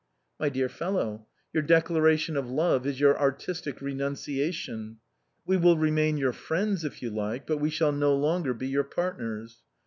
" My dear fellow, your declaration of love is your artistic renunciation. We will remain your friends if you like, but we shall no longer be your partners.